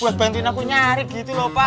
buat bantuin aku nyari gitu loh pak